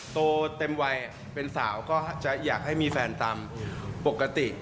โตเต็มวัยเป็นสาวก็จะอยากให้มีแฟนตามปกติ